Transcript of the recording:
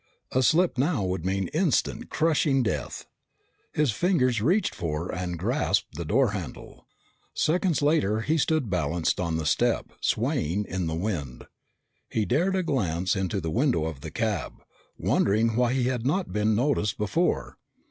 A slip now would mean instant, crushing death. His fingers reached for and grasped the door handle. Seconds later, he stood balanced on the step, swaying in the wind. He dared a glance into the window of the cab, wondering why he had not been noticed before.